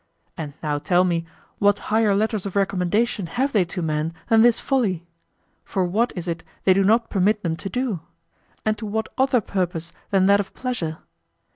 And now tell me, what higher letters of recommendation have they to men than this folly? For what is it they do not permit them to do? And to what other purpose than that of pleasure?